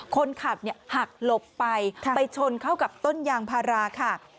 คนขับหักหลบไปไปชนเข้ากับต้นยางพาราค่ะ